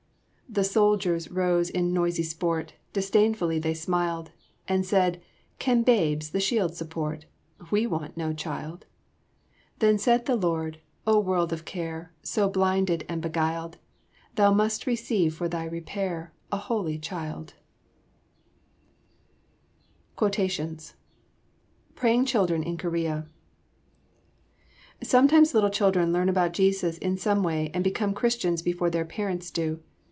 "The soldiers rose in noisy sport; Disdainfully they smiled; And said, 'Can babes the shield support? 'We want no Child.' "Then said the Lord, 'O world of care, So blinded and beguiled, Thou must receive for thy repair A Holy Child.'" [Illustration: THE CHILDREN OF TUNIS ARE WORTH HELPING] QUOTATIONS PRAYING CHILDREN IN KOREA Sometimes little children learn about Jesus in some way and become Christians before their parents do.